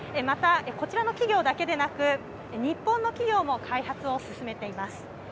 また、こちらの企業だけでなく、日本の企業も開発を進めています。